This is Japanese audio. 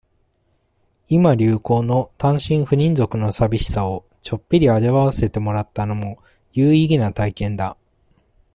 今流行の、単身赴任族の淋しさを、ちょっぴり味わわせてもらったのも、有意義な体験だ。